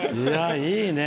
いいね。